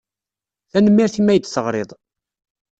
Tanemmirt imi ay d-teɣriḍ.